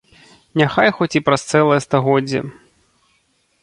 Няхай хоць і праз цэлае стагоддзе.